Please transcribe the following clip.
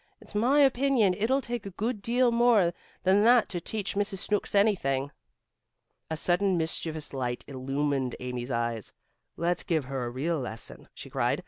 "It's my opinion it'll take a good deal more than that to teach Mrs. Snooks anything." A sudden mischievous light illumined Amy's eyes. "Let's give her a real lesson," she cried.